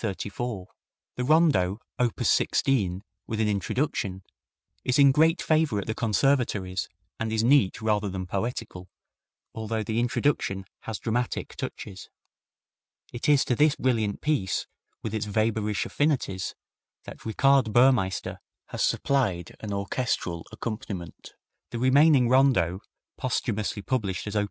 The Rondo, op. 16, with an Introduction, is in great favor at the conservatories, and is neat rather than poetical, although the introduction has dramatic touches. It is to this brilliant piece, with its Weber ish affinities, that Richard Burmeister has supplied an orchestral accompaniment. The remaining Rondo, posthumously published as op.